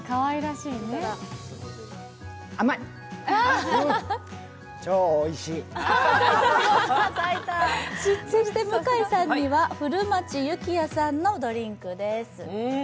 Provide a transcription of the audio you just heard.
そして向井さんには古町有起哉さんのドリンクです。